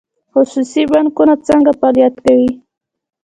خصوصي بانکونه څنګه فعالیت کوي؟